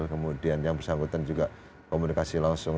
kemudian yang bersangkutan juga komunikasi langsung